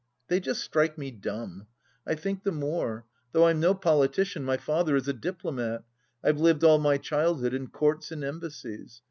They just strike me dumb. I think the more. Though I'm no politician, my father is a diplomat, I've lived all my childhood in Courts and Embassies.